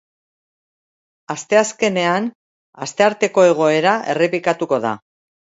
Asteazkenean, astearteko egoera errepikatuko da.